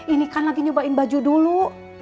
ini kan lagi nyobain baju dulu